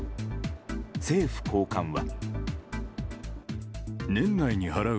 政府高官は。